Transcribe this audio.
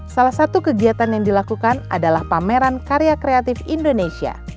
salah satu kegiatan yang dilakukan adalah pameran karya kreatif indonesia